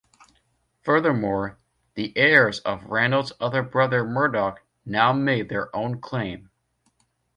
Furthermore, the heirs of Ranald's other brother Murdoch now made their own claim.